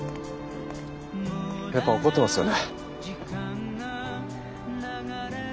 やっぱ怒ってますよね？